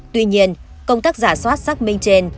tuy nhiên công tác giả soát xác minh trên